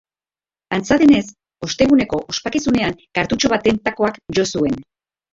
Antza denez, osteguneko ospakizunean kartutxo baten takoak jo zuen.